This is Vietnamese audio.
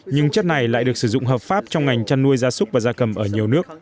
nhưng chất này lại được sử dụng hợp pháp trong ngành chăn nuôi gia súc và gia cầm ở nhiều nước